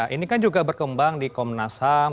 ini kan juga berkembang di komnas ham